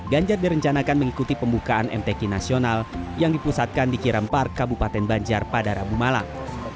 ganjar direncanakan mengikuti pembukaan mtk nasional yang dipusatkan di kirampar kabupaten banjar padarabu malang